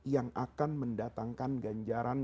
yang akan mendatangkan ganjaran